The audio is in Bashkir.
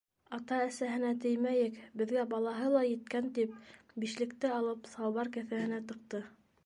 - Ата-әсәһенә теймәйек, беҙгә балаһы ла еткән, - тип бишлекте алып салбар кеҫәһенә тыҡты.